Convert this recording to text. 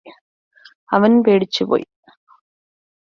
അവൻ പേടിച്ചുപോയി